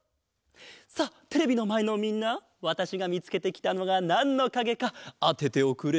さあテレビのまえのみんなわたしがみつけてきたのがなんのかげかあてておくれ！